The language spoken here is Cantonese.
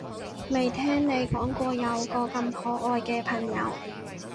未聽你講過有個咁可愛嘅朋友